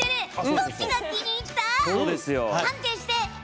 どっちが気に入った？判定して！